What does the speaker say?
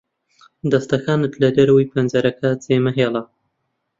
دەستەکانت لە دەرەوەی پەنجەرەکە جێمەهێڵە.